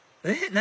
何？